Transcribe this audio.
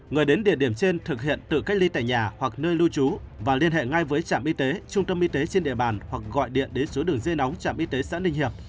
người đến địa điểm trên thực hiện tự cách ly tại nhà hoặc nơi lưu trú và liên hệ ngay với trạm y tế trung tâm y tế trên địa bàn hoặc gọi điện đến số đường dây nóng trạm y tế xã ninh hiệp